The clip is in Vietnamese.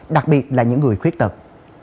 đặc biệt là những người khuyết khóa